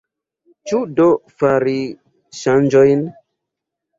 Ĉu do fari ŝanĝojn?